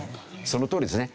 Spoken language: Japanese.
そのとおりですね。